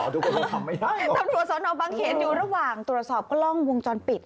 ตำรวจสอนออกบางเหตุอยู่ระหว่างตรวจสอบก็ล่องวงจรปิด